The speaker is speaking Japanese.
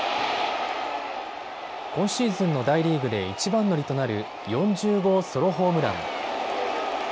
今シーズンの大リーグで一番乗りとなる４０号ソロホームラン。